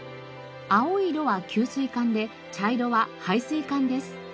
青い色は給水管で茶色は排水管です。